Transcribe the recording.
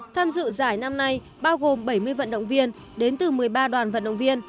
tham dự giải năm nay bao gồm bảy mươi vận động viên đến từ một mươi ba đoàn vận động viên